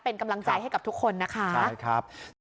เป็นกำลังใจให้กับทุกคนนะคะใช่ครับ